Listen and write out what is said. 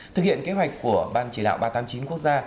thực hiện kế hoạch của ban chỉ đạo ba trăm tám mươi chín quốc gia